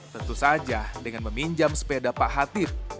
tentu saja dengan meminjam sepeda pak hatip